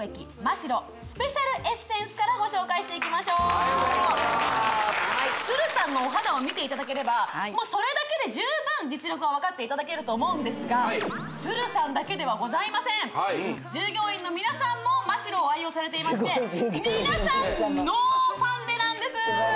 シロスペシャルエッセンスからご紹介していきましょうさんのお肌を見ていただければもうそれだけで十分実力は分かっていただけると思うんですがさんだけではございません従業員の皆さんもマ・シロを愛用されていまして皆さんノーファンデなんです